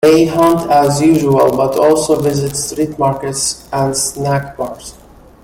They hunt as usual, but also visit street markets and snackbars.